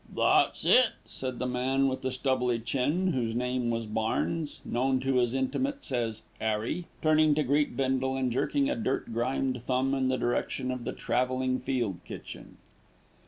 "That's it," said the man with the stubbly chin, whose name was Barnes, known to his intimates as "'Arry," turning to greet Bindle and jerking a dirt grimed thumb in the direction of the travelling field kitchen.